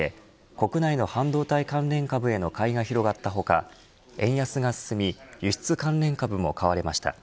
国内の半導体関連株への買いが広がった他円安が進み輸出関連株も買われました。